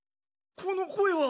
この声は？